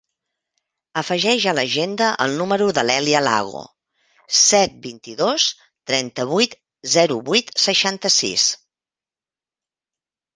Afegeix a l'agenda el número de l'Èlia Lago: set, vint-i-dos, trenta-vuit, zero, vuit, seixanta-sis.